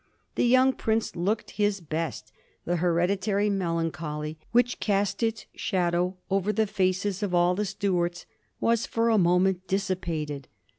The young prince looked his best; the hereditary melancholy which cast its shadow over the faces of all the Stuarts was for the moment dissipated.